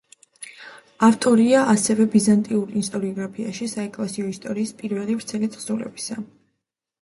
ავტორია ასევე ბიზანტიურ ისტორიოგრაფიაში „საეკლესიო ისტორიის“ პირველი ვრცელი თხზულებისა.